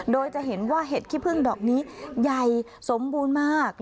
โดยจะเห็นว่าเห็ดขี้พึ่งดอกนี้ใหญ่สมบูรณ์มาก